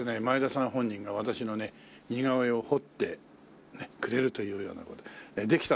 前田さん本人が私のね似顔絵を彫ってくれるというような事で。